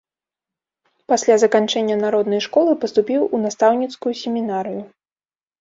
Пасля заканчэння народнай школы, паступіў у настаўніцкую семінарыю.